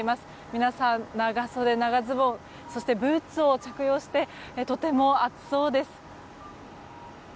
皆さん長袖、長ズボンブーツを着用してとても暑そうです。